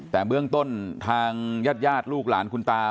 แต่เบื้องต้นทางญาติลูกหลานคุณตา